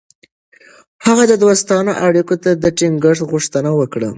هغه د دوستانه اړیکو د ټینګښت غوښتنه وکړه.